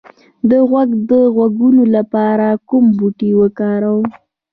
د غوږ د غږونو لپاره کوم بوټی وکاروم؟